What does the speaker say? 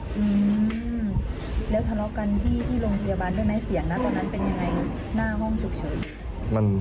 อืมแล้วทะเลาะกันที่ที่โรงพยาบาลด้วยไหมเสียงนะตอนนั้นเป็นยังไงหน้าห้องฉุกเฉิน